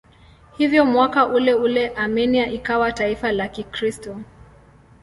Hivyo mwaka uleule Armenia ikawa taifa la Kikristo.